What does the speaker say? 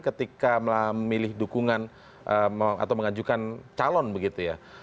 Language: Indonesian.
ketika memilih dukungan atau mengajukan calon begitu ya